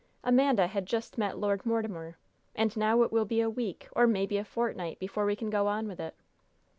Amanda had just met Lord Mortimer! And now it will be a week, or maybe a fortnight, before we can go on with it."